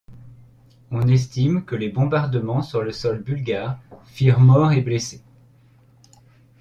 On estime que les bombardements sur le sol bulgare firent morts et blessés.